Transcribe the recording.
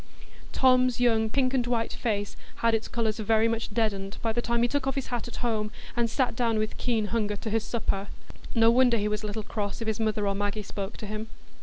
Tom's young pink and white face had its colours very much deadened by the time he took off his hat at home, and sat down with keen hunger to his supper. No wonder he was a little cross if his mother or Maggie spoke to him.